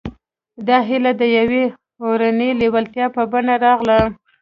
دا هيله د يوې اورنۍ لېوالتيا په بڼه راغله.